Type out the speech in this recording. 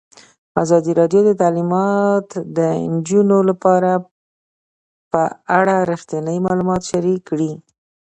ازادي راډیو د تعلیمات د نجونو لپاره په اړه رښتیني معلومات شریک کړي.